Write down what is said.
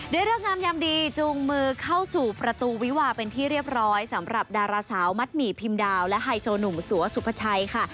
เลิกงามยามดีจูงมือเข้าสู่ประตูวิวาเป็นที่เรียบร้อยสำหรับดาราสาวมัดหมี่พิมดาวและไฮโซหนุ่มสัวสุภาชัยค่ะ